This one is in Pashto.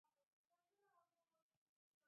له دې انځور سره يې ليکلې وو .